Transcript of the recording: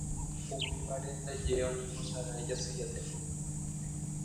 Umívare ndaje oñembosarái Jasy Jatere.